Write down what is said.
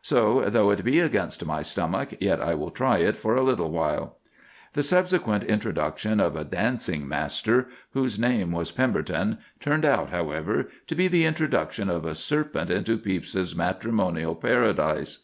So, though it be against my stomach, yet I will try it for a little while." The subsequent introduction of a dancing master, whose name was Pemberton, turned out, however, to be the introduction of a serpent into Pepys's matrimonial Paradise.